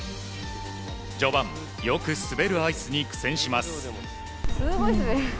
序盤、よく滑るアイスに苦戦します。